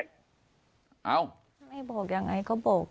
คือเขาไม่บอกเวรตรงหรอครับตอนแรก